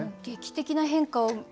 劇的な変化を。